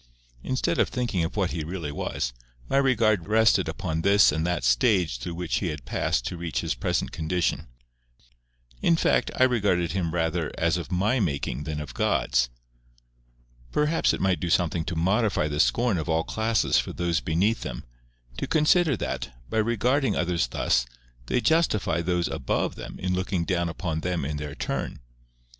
Instead of thinking of what he really was, my regard rested upon this and that stage through which he had passed to reach his present condition. In fact, I regarded him rather as of my making than of God's. Perhaps it might do something to modify the scorn of all classes for those beneath them, to consider that, by regarding others thus, they justify those above them in looking down upon them in their turn.